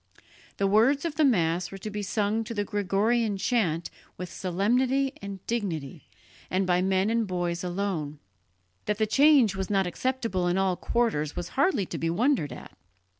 The words of the Mass were to be sung to the Gregorian chant with solemnity and dignity, and by men and boys alone. That the change was not acceptable in all quarters was hardly to be wondered at.